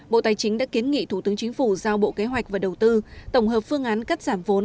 bộ tài chính đã kiến nghị thủ tướng chính phủ giao bộ kế hoạch và đầu tư tổng hợp phương án cắt giảm vốn